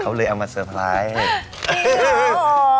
เขาเลยเอามาเซอร์ไพรส์